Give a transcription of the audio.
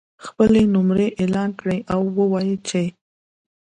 خپلې نمرې اعلان کړي او ووایي چې